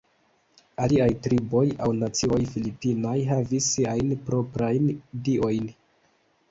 Aliaj triboj aŭ nacioj Filipinaj havis siajn proprajn diojn.